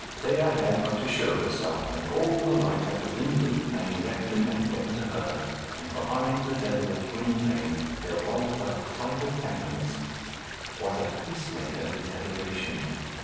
Dea had but to show herself, and all the light that was in Gwynplaine left him and went to her, and behind the dazzled Gwynplaine there was but a flight of phantoms. What a peacemaker is adoration!